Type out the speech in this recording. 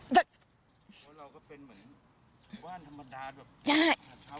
หว่าเราก็เป็นเหมือนบ้านธรรมดาจบ